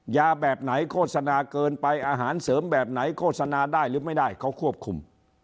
ยาแบบไหนโฆษณาเกินไปอาหารเสริมแบบไหนโฆษณาได้หรือไม่ได้เขาควบคุม